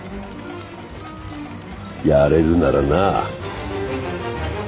やれるならなあ。